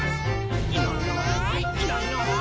「いないいないいないいない」